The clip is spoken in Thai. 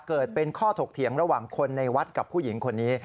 เกิดเป็นข้อถกเถียงระหว่างคนในวัดกับผู้หญิงคนนี้